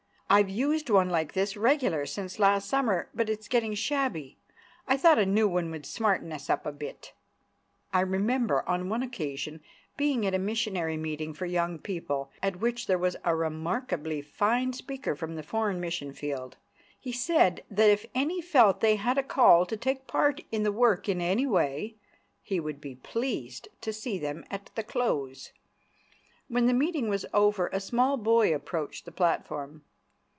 I've used one like this regular since last summer, but it's getting shabby. I thought a new one would smarten us up a bit." I remember on one occasion being at a missionary meeting for young people, at which there was a remarkably fine speaker from the foreign mission field. He said that if any felt they had a call to take part in the work in any way, he would be pleased to see them at the close. When the meeting was over, a small boy approached the platform.